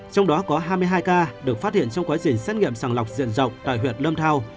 trong đó có hai mươi hai ca được phát hiện trong quá trình xét nghiệm sàng lọc diện rộng tại huyện lâm thao